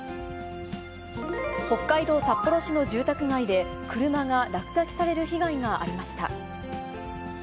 北海道札幌市の住宅街で、車が落書きされる被害がありました。